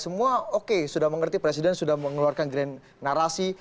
semua oke sudah mengerti presiden sudah mengeluarkan grand narasi